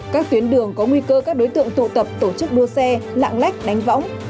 các tuyến đường có nguy cơ các đối tượng tụ tập tổ chức đua xe lạng lách đánh võng